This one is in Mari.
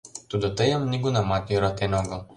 Тудо тыйым нигунамат йӧратен огыл.